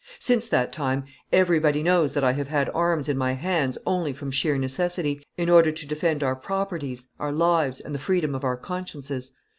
Since that time everybody knows that I have had arms in my hands only from sheer necessity, in order to defend our properties, our lives, and the freedom of our consciences.